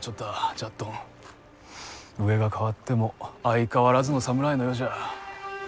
じゃっどん、上が変わっても相変わらずの侍の世じゃ。